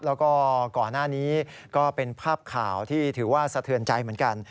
แล้วก็ก่อนหน้านี้ก็เป็นภาพข่าวที่ถือว่าสะเทือนใจเหมือนกัน